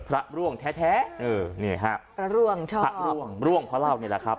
พระร่วงแท้แท้เออนี่ฮะพระร่วงชอบพระร่วงร่วงพระเหล้านี่แหละครับ